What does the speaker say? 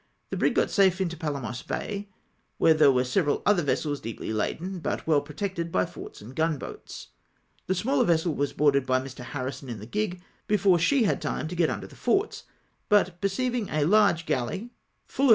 The brisr got safe into Palamos Bay, where there were several other vessels deeply laden, but well protected by forts and gunboats. The smaller vessel was boarded by 'Mi. Harrison hi the gig, before she had time to get under the forts, but perceiving a large galley full of E 4 248 CAPTURE A XEBEC.